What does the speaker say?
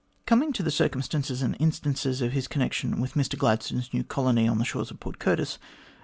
Coming to the circumstances and incidents of his connection with Mr Gladstone's new colony on the shores of Port Curtis